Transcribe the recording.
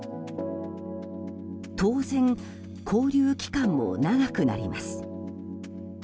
当然、勾留期間も長くなります。